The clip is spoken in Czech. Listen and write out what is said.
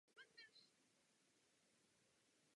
Maják je aktivní.